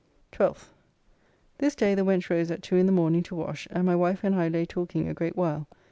12th. This day the wench rose at two in the morning to wash, and my wife and I lay talking a great while.